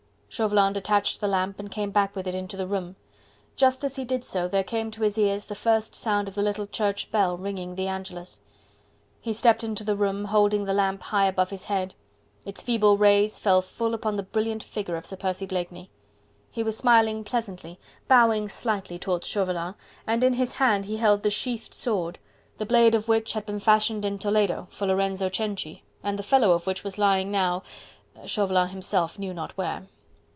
Chauvelin detached the lamp and came back with it into the room. Just as he did so there came to his ears the first sound of the little church bell ringing the Angelus. He stepped into the room holding the lamp high above his head; its feeble rays fell full upon the brilliant figure of Sir Percy Blakeney. He was smiling pleasantly, bowing slightly towards Chauvelin, and in his hand he held the sheathed sword, the blade of which had been fashioned in Toledo for Lorenzo Cenci, and the fellow of which was lying now Chauvelin himself knew not where.